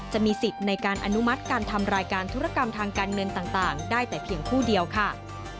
จะมีสิทธิ์ในการอนุมัติการทำรายการธุรกรรมทางการเงินต่างได้แต่เพียงผู้เดียวค่ะ